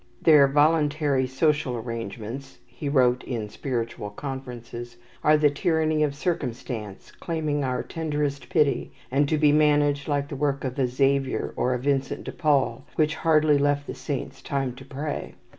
"Their voluntary social arrangements," he wrote in "Spiritual Conferences," "are the tyranny of circumstance, claiming our tenderest pity, and to be managed like the work of a Xavier, or a Vincent of Paul, which hardly left the saints time to pray.